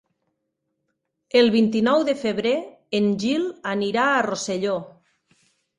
El vint-i-nou de febrer en Gil anirà a Rosselló.